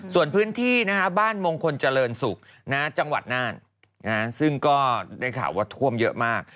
ส่วนพื้นที่บ้านมงคลเจริญศุกร์จังหวัดน่านซึ่งก็ได้ข่าวว่าท่วมเยอะมาก